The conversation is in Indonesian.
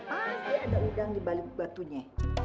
pasti ada udang dibalik batunya